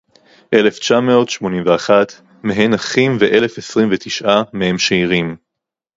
אלף תשע מאות שמונים ואחת מהם נכים ואלף עשרים ותשעה מהם שאירים